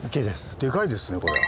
でかいですねこれは。